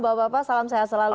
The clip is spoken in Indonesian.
bapak bapak salam sehat selalu